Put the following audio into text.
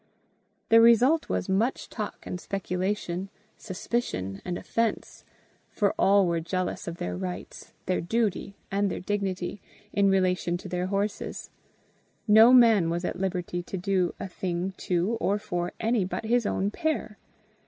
The result was much talk and speculation, suspicion and offence; for all were jealous of their rights, their duty, and their dignity, in relation to their horses: no man was at liberty to do a thing to or for any but his own pair.